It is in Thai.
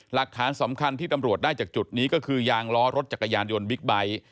หลักฐานสำคัญที่ตำรวจได้จากจุดนี้ก็คือยางล้อรถจักรยานยนต์บิ๊กไบท์